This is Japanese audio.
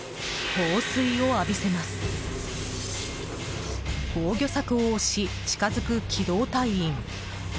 防御柵を押し、近づく機動隊員。